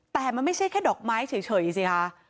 แต่มันไม่ใช่แค่ดอกไม้เฉยสิคะ